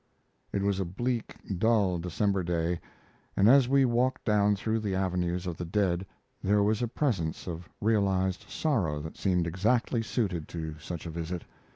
It was a bleak, dull December day, and as we walked down through the avenues of the dead there was a presence of realized sorrow that seemed exactly suited to such a visit.